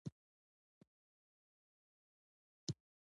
د وردګو ګوربت، ګوډه، خوات